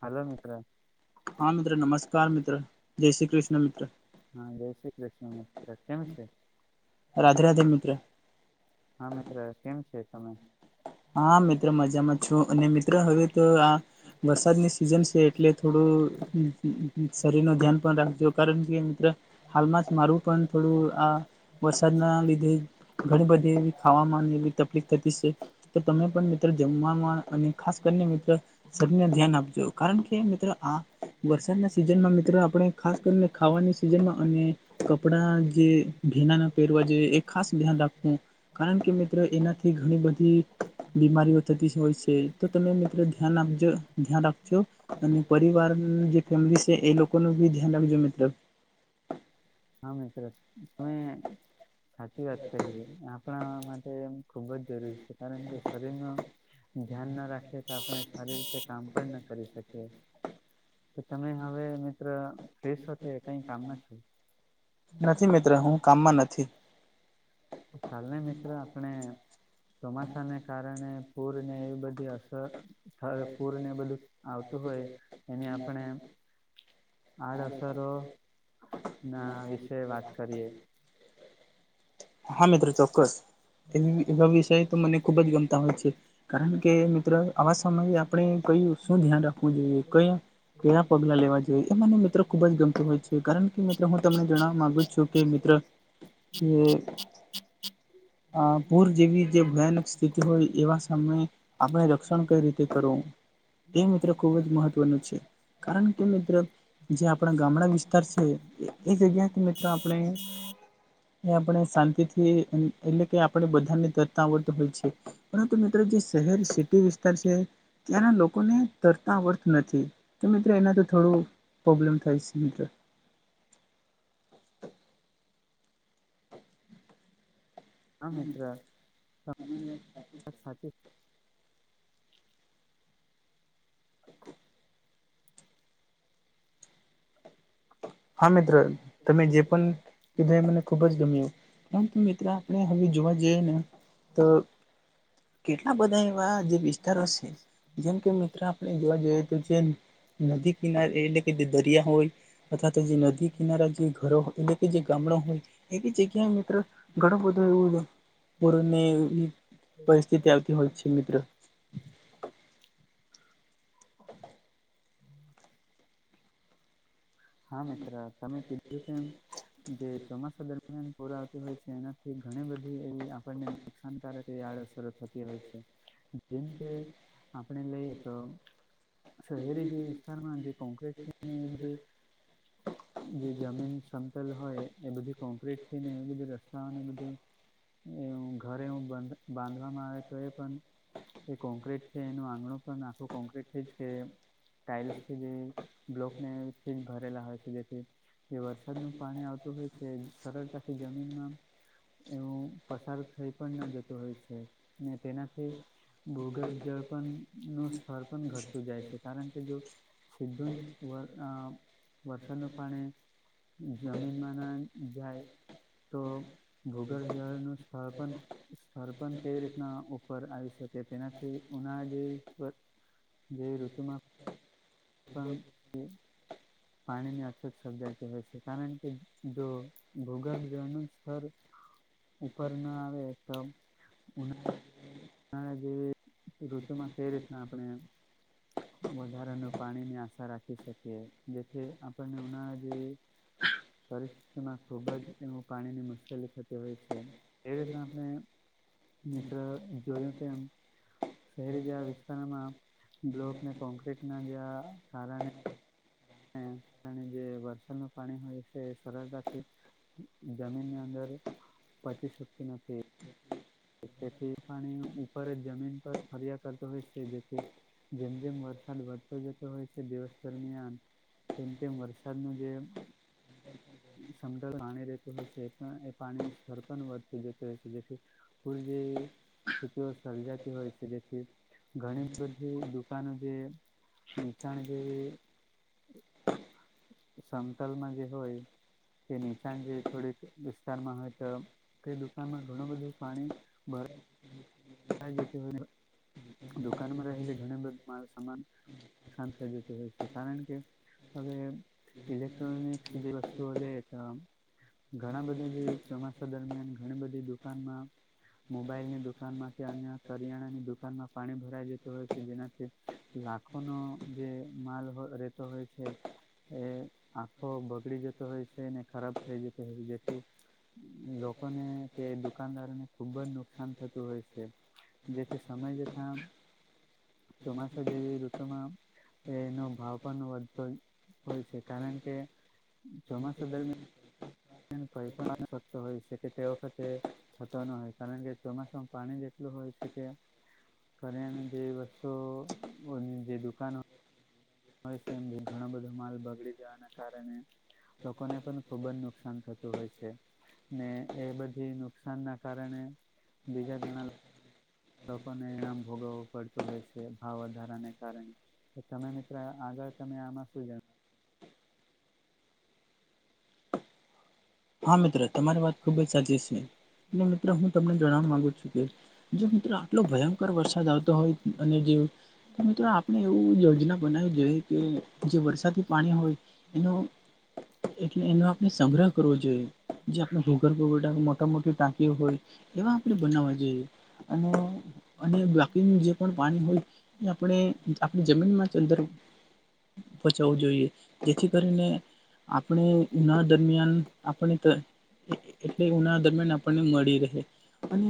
Hello મિત્ર હા મિત્ર નમસ્કાર મિત્ર જય શ્રી કૃષ્ણ મિત્ર હા જય શ્રી કૃષ્ણ મિત્ર કેમ છે? હા મિત્ર કેમ છે તમે? હા મિત્રો મજામાં છું અને મિત્રો હવે તો આ વરસાદની સિઝન છે એટલે થોડું શરીર ન ધ્યાન પણ રાખજો કારણ કે મિત્ર હાલમાં જ મારું પણ થોડું આ વરસાદના લીધે ઘણી બધી ખાવામાં એ તકલીફ થતી છે તો તમે પણ મિત્રો જમવાવામાં અને ખાસ કરીને મિત્રો સને ધ્યાન આપજો કારણ કે મિત્રો આ વરસાદના સિઝનમાં મિત્રો આપણે ખાસ કરીને ખાવાની સિઝનમાં અને કપડા જે ભીના ના પહેરવા જે એ ખાસ ધ્યાન રાખવું કારણ કે મિત્રો એનાથી ઘણી બધી બીમારીઓ થતી હોય છે તો તમે મિત્રો ધ્યાન આપજો ધ્યાન રાખજો અને પરિવાર જે ફેમિલી છે એ લોકોનું બી ધ્યાન રાખજો મતલબ હા મિત્રત તમે સાાચી વાત કહીએ આપ ણવા માટે એ ખૂબ જ જરૂરી છે કારણ કે શરીરનું ધ્યાન ના રાખે. આપણે સારી રીતે કામ પણ ના કરી શકીએ તો તમે હવે મિત્ર ફ્રેશ હોખ કઈ કામ ના છો નથી મિત્ર હું કામમાં નથી ચાલને મિત્ર આપણે ચોમાસાને કારણે પૂરને એવી બધી અસર થ પૂરને બધું- આવતું હોય એની આપણે આડઅસરો ના વિશે વાત કરીએ હા મિત્રો ચોક્કસ- એ એવા વિષય તો મને ખુબ જ ગમતા હોય છે કારણ કે મિત્ર આવા સમયે આપણે કહું શું ધ્યાન રાખવું જોઈએ કયા કયા પગલા લેવા જોઈએ એ મને મિત્રો ખુબ જ ગમતું હોય? કારણ કે મિત્ર હું તમને જણવા ગુ છું કે મિત્ર એક એક [unintelligible] અ પૂર જેવી જે ભયાનક સ્થિતિ હોય એવા સમયે. આપણે રક્ષણ કઈ રીતે કરવું? તે મિત્રો ખુબ જ મહત્વનું છે કારણ કે મિત્ર જે આપણા ગામડા વસ્તી. તરશે એ જગ્યા કે મિત્રો આપણે એ આપણે શાંતિથી એટલે કે આપણે બધા તરતા આવડતું હોય છે. પરંતુ મિત્રો જે શહેર સિટી - છે ત્યાંના લોકોને તરતા આવડતું નથી તો મિત્રો એના તો થોડું પ્રોબ્લેમ થાય છે મિત્રર. આ મિત્ર સાચ [unintelligible] હા મિત્રો તમે જે પણ કીધું એ મને ખુબ જ ગમ્યું- પરંતુ મિત્ર આપણે હવે જોવા જઈએ ને તો કેટલા બધા એવા જે વિસ્તારો છે. જેમ કે મિત્રો આપણે જોવા જઈએ તો જે નદી કિનારે એટલે કે જે દરિયા હોય- અથા તો જે નદી કિનારા જે ઘરો એટલે કે જે ગામડ હોય- એક જગ્યાએ મિત્ર ઘણું બધું એવું પૂરને એવી પરિસ્થિતિ આવતી હોય છે. મિત્રો હા મિત્ર તમે કીધું તેમ - જે ચોમાસા દરમિયાન પૂરા આવતી હોય છે. એનાથી ઘણી બધી એવી આપણને નુકસાનકારક એવી આડઅસરો થતી હોય છે. જેમ કે આપણેે લઈએ તો શહેરી જે વિસ્તાર માં જે કોંક્રટને એ બધું જે જમીન સમતલ હોય એ બધી કોન્ક્રીટ થઈ ને એ બધી રસ્તાઓને બધું એવું ઘરેવુંંધ બાંધવામાં આવે તો એ પણ એ કોંક્રીટ છે એનું આંગણું પણ આખું કોંક્રીટ છે જ કે ટાઈલ્સથી જે બ્લોકનેથી ભરેલા હોય છે જેથી ઘરે લાવે જે વરસાદનું પાણી આવતું હોય છે સરળતાથી જમીનમાં એવું પસાર થઈ પણ ન જતું હોય છે ને તેનાથી- ભૂગર્ભ જળ પણ નું સ્થર પણ ઘટતું જાય છે. કારણ કે જો સિદ્ધો જ [unintelligible] વરસાદનું પાણી જમીનમાં ના જાય તો ભૂગોળ જળ ન સ્થાપન સ્થળ પણ કેવી રીતના ઉપર આવી શકે તેનાથી ઉના જે જેવી ઋતુમાં પણ એ પાણીની અછત સર્જાયતી હોય છે કારણ કે જો ભૂગર્ભ જય ન સ્થળ ઉપર ના આવે તો જેવી ઋતુમાં કેવી રીતના આપણે વધારાનું પાણી ની આશા રાખી શકીએ જેથી આપણને ઉના જે પરિસ્થિતિમાં ખુબ જ એવ પાણીની મુશ્કેલી થતી હોય છે. એ રીતના આપણે મિત્ર જોયું કે. શહેરી જ વિસ્તારમાં બ્લોકને કોન્ક્રીટ ના જે કારણે- અને જે વરસાદનું પાણી હોય છે સરળતાથી- જમીનની અંદર પચી શકતી નથી. તેથી પાણી ઉપર જ જમીન પર ફરિયા કરતો હોય છે જેથી જેમ જેમ વરસાદ વધતો જતો હોય છે દિવસ દરમિયાન. તેમ તેમ વરસાદનું જે સમદ્ર પાણી રહેતું હોય છે પણ એ પાણી ન સ્રપ વધતું ફૂલ જે સજાતી હોય છે. ઘણી બધી દુકાનો જે નીચાણ જેવી સમતાલમાં જે હોય. કે નીચાણ જે થોડીક વિસ્તારમાં હોય તો તે દુકાનમાં ઘણું બધું પાણી ભ દકાનમાં રહેે ઘણી બધું મા સામાન નુકસાન થઈ જેતો હોય છે કારણ કે, તવે લેક્ટ્રનિકસ જે વસ્તુ હલે એ. ઘણા બધા જે ચોમાસા દરમિયાન ઘણી બધી દુકાનમાં. મોબાઈલની દુકાનમાં કે અન્ય કરિયાણાની દુકાનમાં પાણી ભરાઈ જતું હોય છે જેનાથી. લાખો જે માલ રેતો હોય છે. એ આંખો બગડી જતો હોય છે ને ખરાબ થઈ જતો હોય છે જેથી લોકોને કે દુકાનદારો ને ખુબ જ નુકસાન થતું હોય છે. જે છે સમય જતા. ચોમાસા જેવી ઋતુમાં એનો ભાવ પણ વધતો હોય છે. કારણ કે, ચોમાસા દરમિયાન કઈ પણ શક્ત હોય છે કે તે વખતે થતો ન હોય કારણ કે ચોમાસાુંમાં પાણી જ એટલું હોય છે કે. ફરિયા ન જે વસ્તુની જે દુકાનો. હોય છેમ ઘણો બધો માલ બગડી જવાના કારણે, લોકોને પણ ખુબ જ નુકસાન થતું. હોય છે, ને એ બધી નુકસાન ના કારણે બીજા ઘણા લોકોને એણામ ભોગવવું પડતું હોય છે ભાવ વધારાને કારણે. તો તમે મિત્રો આગળ તમે આમાં શું જાણો હા મિત્ર તમારી વાત ખુબ જ સાચી છે. મિત્રો હું તમને જણવા માગુ છું કે, જો મિત્રો આટલો ભયંકર વરસાદ આવતો હોય અને જે તો મિત્રો આપણે એવું યોજના બનાવી જોઈએ કે જે વરસાદી પાણી હોય, એનું એટલે એનો આપણે સંગ્રહ કરવો જોઈએ. જે આપણે ભૂગર ભવ મોટા મોટી ટાંકીઓ હોય, એવા આપણે બનાવવા જોઈએ. અને અને બ્ જે પણ પાણી હોય, એ આપણે આપણી જમીનમાં અંદર બચાવવું જોઈએ, જેથી કરીને આપણે ના દરમિયાન આપને એટલે ઉનાળ દરમિયાન આપણને મળી રહે. અને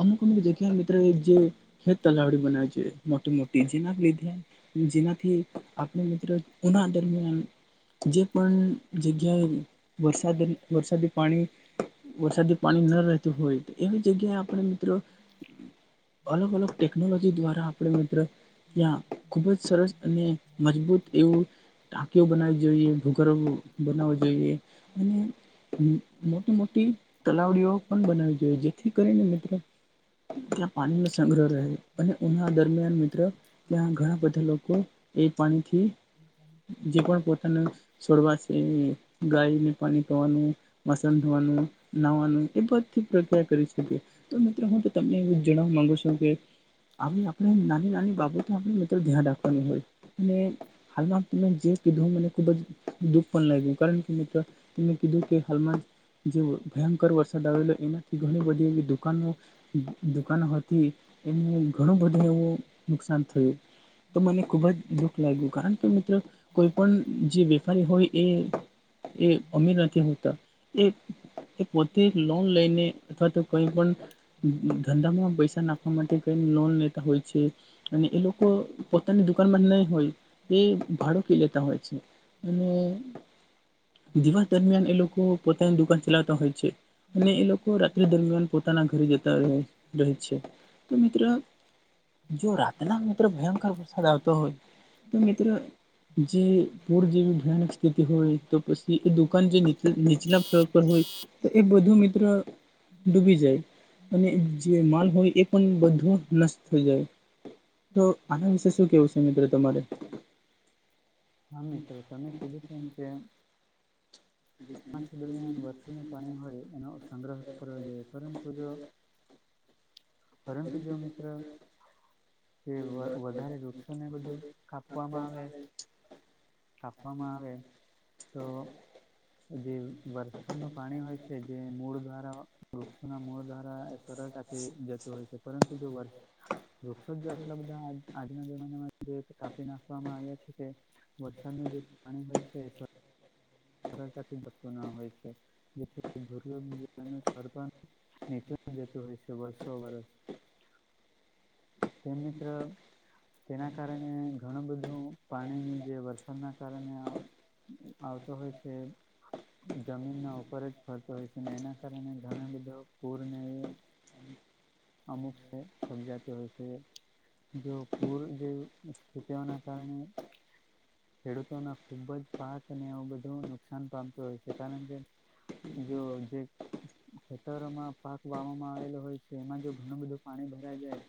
અમુક અમુક જગ્યા મિત્રો એક જે ખેત તલાવડી બનાવે છે. મોટી મોટી જેના લીધ જેનાથી આપણે મિત્રોના જે પણ જગ્યાએ વરસાદ વરસાદી પાણી વરસાદી પાણી ન રહેતું હોય, એવી જગ્યાએ આપણે મિત્રો હ [inaudible] અલગ અલગ ટેકનોલોજી દ્વારા આપડે મિત્ર ત્યાં ખૂબ જ સરસ અને મજબૂત એવું ટાંકીઓ બનાવી જોઈએ ભૂગર બનાવ જોઈએ, અને મોટી મોટી તલાવડીઓ પણ બનાવી જોઈએ જેથી કરીને મિત્રો ત્યાં પાણી નો સંગ્રહ રહે, અને ઉના દરમિયાન મિત્ર ત્યાં ઘણા બધા લોકો એ પાણીથી [unintelligible] ગાયને પાણી પીવાનું વાસણ ધોવાનું નાહવાનું એ બધી પ્રક્રિયા કરી શકીએ. તો મિત્રો હું તો તમને એવું જણાવવા માંગુ છું કે આવી આપણે નાની નાની બાબતો આપણે મિત્ર ધ્યાન રાખવાની હોય અને હાલમાં તમે જે કીધું મને ખુબ જ દુઃખ પણ લાગ્યું કારણ હે મિત્ર, તમે કીધું કે હાલમા જે ભયંકર વરસાદ આવેલો એનાથી ઘણી બધી એવી દુકાનો દુકાનો હતી, એને ઘણું બધું એવું નુકસાન થયું. તો મને ખુબ જ દુઃખ લાગ્યું કારણ કે, મિત્ર કોઈ પણ જે વેપારી હોય એ એ અમીર નથી હોતા. એ એ પોતે એક લોન લઈને અથવા તો કઈ પણ ધંધામાં પૈસા નાખવા માટે કરીન લોન લેતા હોય છે. અને એ લોકો પોતાની દુકાનમાં નઈ હોય એ ભાડોકી લેતા હોય છે અને દિવસ દરમિયાન એ લોકો પોતાની દુકાન ચલાવતા હોય છે. અને એ લોકો રાત્રિ દરમિયાન પોતાના ઘરે જતા રહે રહે છે. તો મિત્ર જો રાતના મિત્ર ભયંકર વરસાદ આવતો હોય તો મિત્ર, જે પૂર જેવી ભયાનક સ્થિતિ હોય તો પસ ઈ એ દુકાન જે નીચ-નીચલા ફ્લોર પર હોય તો એ બધું મિત્ર ડૂબી જાય અને જે માલ હોય એ પણ બધું નષ્ટ થઈ જાય. તો આના વિશે શું કેવું શે મિત્ર તમારે? હા, મિત્ર તમે કીધું છે ન જેમ [inaudible] આ શુ દરમિયાન વરસનું પાણી હોય એનો સંગ્રહ કરવો જોઈએ પરંતુ જો પરંતુ જો મિત્ર એ વ-વધારે વૃક્ષોને બધું કાપવામાં આવે કાપવામાં આવે તો જે વરસાદનું પાણી હોય છે જે મૂળ દ્વારા વૃક્ષોના મૂળ દ્વારા સરળતાથી જતુ હોય છે પરંતુ જો વર વૃક્ષો જો આટલા બધા આજના જમાનામાં જે રીતે કાપી નાખવામાં આવ્યા છે કે વરસાદનું જે પાણી હોય છે સરળતાથી વધતુ ના હોય છે, જેથી દુર્લભ જેનું સ્તર પણ નીચું જતું હોય છે વર્ષો વર્ષ. તેમ મિત્ર તેના કારણે ઘણું બધું પાણીનું જે વરસાદના કારણે આવતું હોય છે. જમીનના ઉપર જ ફરતું હોય છે ને એના કારણે ઘણો બધો પૂરને એ અમુક સે, સમજાતી હોય છે. જો પૂર જેવુ સ્થિતિઓના કારણે ખેડૂતોના ખુબ જ પાકને એવુ બધું નુકસાન પામતું હોય છે, કારણ કે જો જે ખેતરોમાં પાક વાવામાં આવેલો હોય છે તો એમાં જો ઘણું બધું પાણી ભરાઈ જાય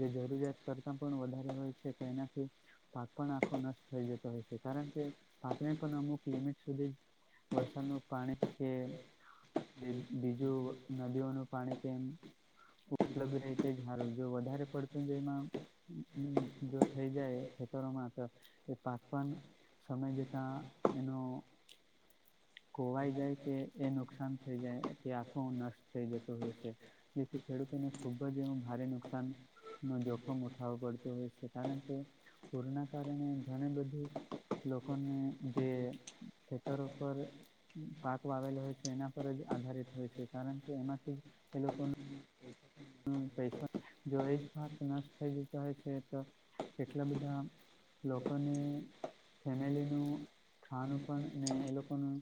જે જરૂરિયાત કરતા પણ વધારે હોય છે તો એનાથી પાક પણ આખો નષ્ટ થઈ જતો હોય છે. કારણ કે, પાકને પણ અમુક લિમિટ સુધી જ વરસાદનું પાણી છે કે બીજુ નદીઓનું પાણી કેમ ઉપલબ્ધ રે તે જ હારું, જો વધારે પડતું જેમાં જો થઈ જાય ખેતરોમાં તો એ પાક પણ સમય જતા એનો ખોવાઈ જાય કે એ નુકસાન થઈ જાય કે આખો નષ્ટ થઈ જતો હોય છે. જેથી ખેડૂતોને ખુબજ એમ ભારે નુકસાન નો જોખમ ઉઠાવવો પડતો હોય છે, કારણ કે પૂરના કારણે ઘણી બધું લોકોને જે, ખેતર ઉપર પાક વાવેલો હોય છે, એના પર જ આધારિત હોય છે, કારણ કે એમાંથી એ લોકો અન પૈસો જો એ જ પાક નષ્ટ થઈ જતો હોય છે, તો એટલા બધા લોકોની ફેમિલીનું ખાનું પણ ને એ લોકોનું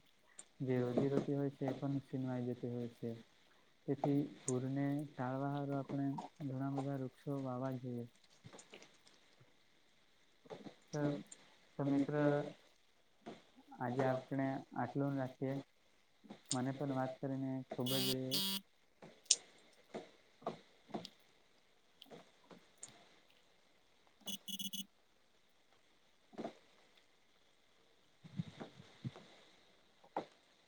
જે રોજી રો તે હોય છે એ પણ છીનવાઈ જતી હોય છે, તેથી ભૂરને ટાળવા હારુ આપણે ઘણા બધા વૃક્ષો વાવા જોઈએ. છ તો મિત્ર, આજે આપણે આટલું રાખીએ. મને પણ વાત કરીને ખુબ જ [inaudible] [inaudible]